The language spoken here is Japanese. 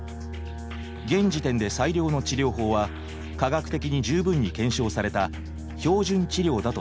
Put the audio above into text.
現時点で最良の治療法は科学的に十分に検証された「標準治療」だとされている。